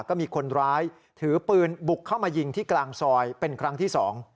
ก็มีคนร้ายถือปืนบุกเข้ามายิงที่กลางซอยเป็นครั้งที่๒